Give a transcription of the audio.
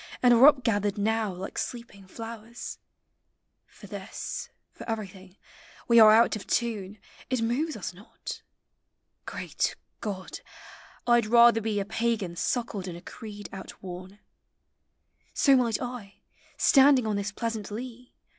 And are up gathered now like sleeping flowers; For this, for everything, we are out <>!' tune; It moves us not. — Greal <Jod! I M rather be A Pagan suckled in a creed outworn, So might I, standing on this pleasant lea.